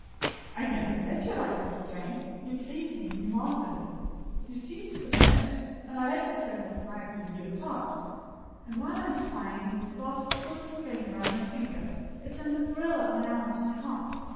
"I never met your likeness. Jane, you please me, and you master me—you seem to submit, and I like the sense of pliancy you impart; and while I am twining the soft, silken skein round my finger, it sends a thrill up my arm to my heart.